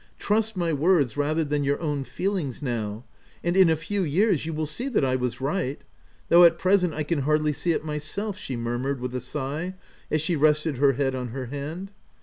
Trust my words rather than your own feelings, now, and in a few years you will see that I was right — though at present I hardly can see it myself/' she murmured with a sigh as she rested her head on her hand.